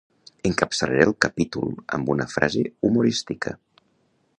Encapçalaré el capítol amb una frase humorística.